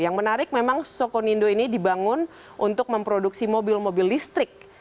yang menarik memang sokonindo ini dibangun untuk memproduksi mobil mobil listrik